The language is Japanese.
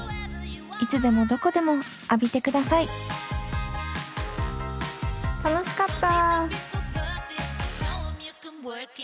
いつでもどこでも浴びてください楽しかった。